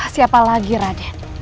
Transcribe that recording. siapa lagi raden